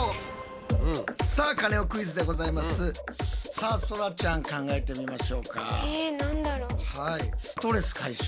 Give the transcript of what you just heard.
さあそらちゃん考えてみましょうか。